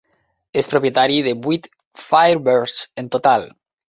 És propietari de vuit Firebirds en total.